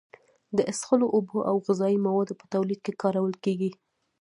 د څښلو اوبو او غذایي موادو په تولید کې کارول کیږي.